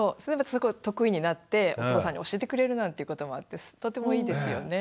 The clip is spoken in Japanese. すごい得意になってお父さんに教えてくれるなんていうこともあってとてもいいですよね。